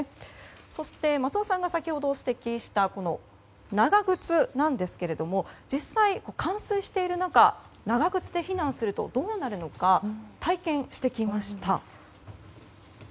そして、松尾さんが先ほど指摘した長靴ですが実際、冠水している中長靴で避難するとどうなるのか体験してきました。